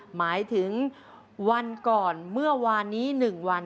หมายถึงวันก่อนเมื่อวานนี้๑วัน